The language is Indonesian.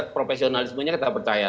profesionalismenya kita percaya